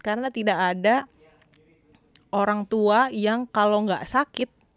karena tidak ada orang tua yang kalau tidak sakit